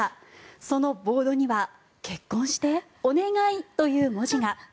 そのボードには「結婚して。お願い」という文字が。